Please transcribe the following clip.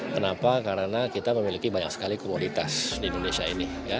kenapa karena kita memiliki banyak sekali komoditas di indonesia ini